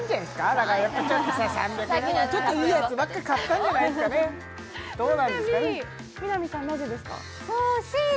だからやっぱちょっとさ３００円ぐらいのちょっといいやつばっか買ったんじゃないすかねどうなんですかね